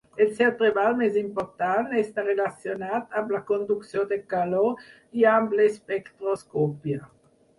El seu treball més important està relacionat amb la conducció de calor i amb l'espectroscòpia.